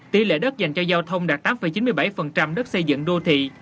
tỷ lệ đất dành cho giao thông đạt tám chín mươi bảy đất xây dựng đô thị